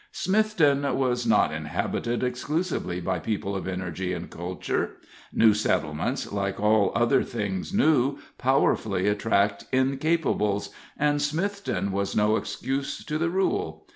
Smithton was not inhabited exclusively by people of energy and culture. New settlements, like all other things new, powerfully attract incapables, and Smithton was no excuse to the rule.